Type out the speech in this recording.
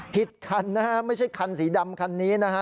คันนะฮะไม่ใช่คันสีดำคันนี้นะฮะ